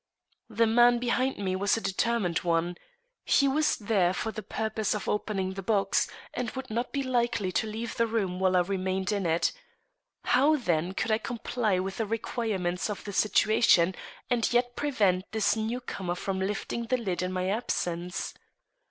The man behind me was a determined one. He was there for the purpose of opening the box, and would not be likely to leave the room while I remained in it. How, then, could I comply with the requirements of the situation and yet prevent this new comer from lifting the lid in my absence?